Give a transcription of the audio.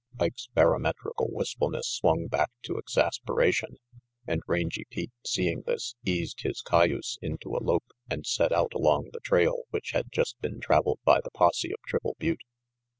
Ike's barometrical wistfulness swung back to exasperation, and Rangy Pete, seeing this, eased his cayuse into a lope and set out along the trail which had just been traveled by the posse of Triple Butte.